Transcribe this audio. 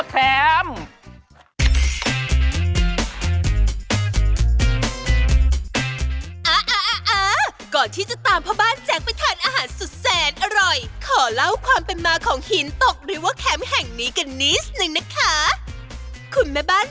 ไหนไหนไหนไหนไหนไหนไหนไหนไหนไหนไหนไหนไหนไหนไหนไหนไหนไหนไหนไหนไหนไหน